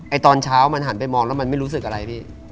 ตอนเช้ามันหันไปมองแล้วมันไม่รู้สึกอะไรพี่